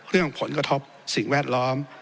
เรื่องผลกระทบสิ่งแวดล้อม